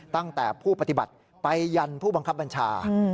ตั้งแต่ผู้ปฏิบัติไปยันผู้บังคับบัญชา